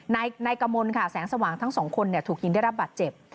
นายกมลค่ะแสงสว่างทั้งสองคนถูกยิงได้รับบาดเจ็บ